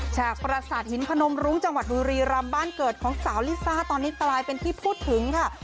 ฉกประสาทหินพนมรุ้งจังหวัดบุรีรำบ้านเกิดของสาวลิซ่าตอนนี้กลายเป็นที่พูดถึงค่ะ